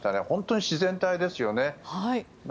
本当に自然体ですよね。